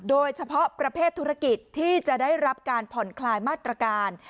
โดยเฉพาะประเภทธุรกิจที่จะได้รับการผ่อนคลายมาตรการ